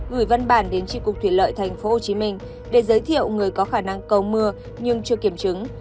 gửi văn bản đến tri cục thủy lợi tp hcm để giới thiệu người có khả năng cầu mưa nhưng chưa kiểm chứng